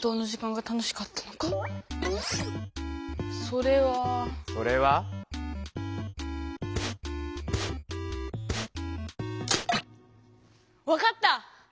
それは。それは？分かった！